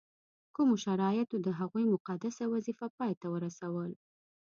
کومو شرایطو د هغوی مقدسه وظیفه پای ته ورسول.